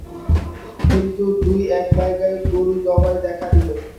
কিন্তু দুই-এক জায়গায় গোরু-জবাই দেখা দিল।